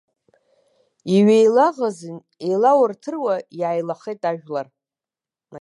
Иҩеилаӷзын, еилауаҭыруа иааилахеит ажәлар.